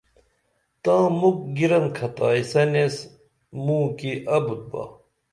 تاں مُکھ گیرن کھتائیسن ایس موں کی ابُت با